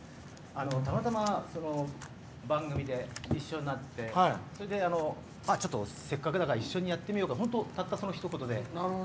たまたま番組で一緒になってせっかくだから一緒にやってみようかっていうたった、そのひと言で。